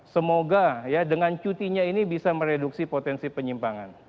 semoga ya dengan cutinya ini bisa mereduksi potensi penyimpangan